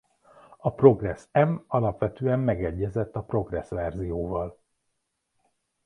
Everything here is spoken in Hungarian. A Progressz M alapvetően megegyezett a Progressz verzióval.